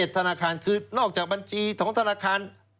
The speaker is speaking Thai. ธนาคารคือนอกจากบัญชีของธนาคาร